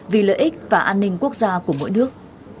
vì lợi ích và an ninh quốc gia của mỗi nước